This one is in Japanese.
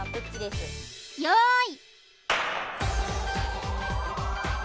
よい！